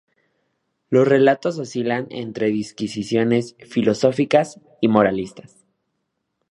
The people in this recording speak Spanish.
Los relatos oscilan entre disquisiciones filosóficas y moralistas.